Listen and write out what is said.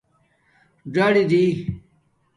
ڎراری